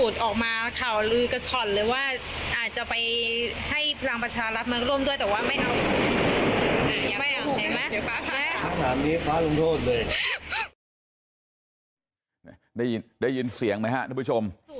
ได้ยินเสียงไหมครับทุกผู้ชม